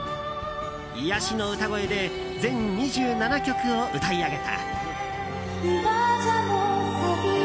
癒やしの歌声で全２７曲を歌い上げた。